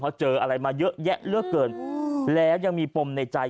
เพราะเจออะไรมาเยอะแยะเลือกเกินแล้วยังมีปมในใจ